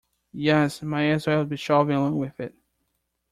Yes, might as well be shoving along with it.